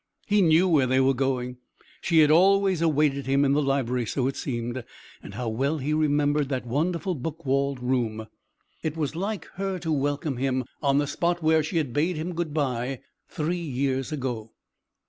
He knew where they were going: she had always awaited him in the library, so it seemed. And how well he remembered that wonderful book walled room! It was like her to welcome him on the spot where she had bade him good bye three years ago.